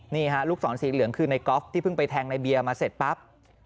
นี่ฮะลูกศรสีเหลืองคือในกอล์ฟที่เพิ่งไปแทงในเบียร์มาเสร็จปั๊บ